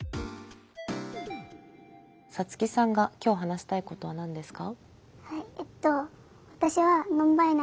サツキさんが今日話したいことは何ですか？